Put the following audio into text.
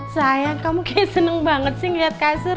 sayang kamu kayaknya seneng banget sih ngeliat kasur